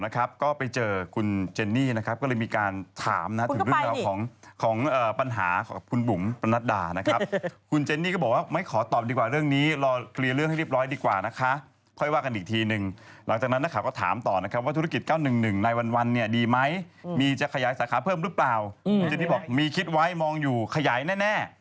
คุณเจนนี่บอกมีคิดไว้มองอยู่ขยายแน่